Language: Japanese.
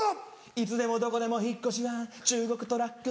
いつでもどこでも引っ越しは中国トラック